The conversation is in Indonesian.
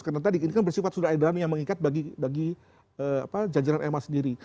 karena tadi ini kan bersifat sudah ada dalamnya yang mengikat bagi jajaran ma sendiri